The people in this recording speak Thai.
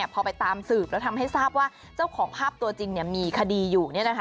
พอไปตามสืบแล้วทำให้ทราบว่าเจ้าของภาพตัวจริงมีคดีอยู่